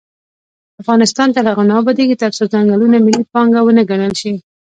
افغانستان تر هغو نه ابادیږي، ترڅو ځنګلونه ملي پانګه ونه ګڼل شي.